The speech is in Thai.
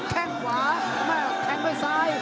แข่งขวาแข่งไปซ้าย